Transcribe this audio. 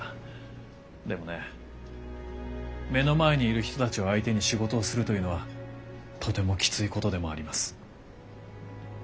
でもね目の前にいる人たちを相手に仕事をするというのはとてもきついことでもあります。